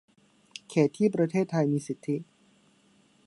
เขตที่ประเทศไทยมีสิทธิ